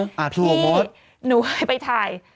นี่หนูให้ไปถ่าย